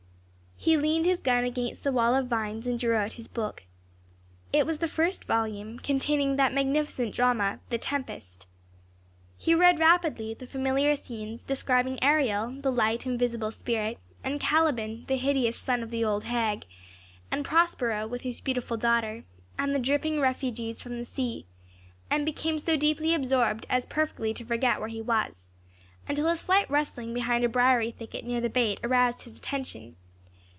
He leaned his gun against the wall of vines, and drew out his book. It was the first volume, containing that magnificent drama, "The Tempest." He read rapidly the familiar scenes describing Ariel, the light, invisible spirit, and Caliban, the hideous son of the old hag, and Prospero, with his beautiful daughter, and the dripping refugees from the sea, and became so deeply absorbed as perfectly to forget where he was, until a slight rustling behind a briery thicket near the bait aroused his attention.